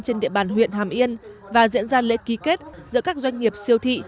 trên địa bàn huyện hàm yên và diễn ra lễ ký kết giữa các doanh nghiệp siêu thị